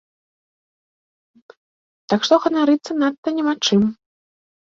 Так што ганарыцца надта няма чым.